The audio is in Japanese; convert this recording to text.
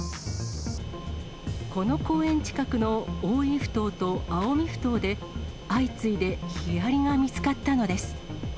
この公園近くの大井ふ頭と青海ふ頭で、相次いでヒアリが見つかったのです。